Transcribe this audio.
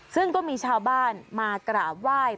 ซึ่งก็มีชาวบ้านมากราบไหว้